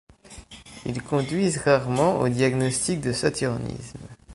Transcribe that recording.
Ils conduisent rarement au diagnostic de saturnisme.